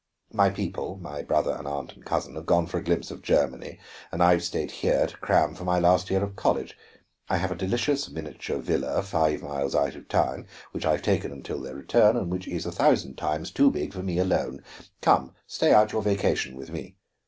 My people my brother and aunt and cousin have gone for a glimpse of Germany; and I have stayed here to cram for my last year of college. I have a delicious miniature villa five miles out of town, which I have taken until their return, and which is a thousand times too big for me alone. Come stay out your vacation with me.